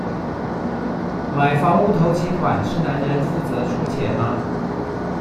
買房屋頭期款是男人負責出錢嗎？